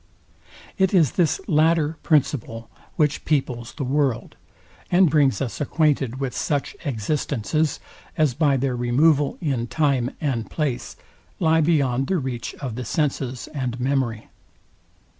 It is this latter principle, which peoples the world, and brings us acquainted with such existences, as by their removal in time and place, lie beyond the reach of the senses and memory.